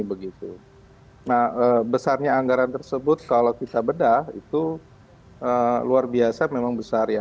nah besarnya anggaran tersebut kalau kita bedah itu luar biasa memang besar ya